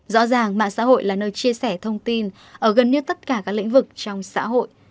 rõ ràng mạng xã hội là nơi chia sẻ thông tin ở gần như tất cả các lĩnh vực trong xã hội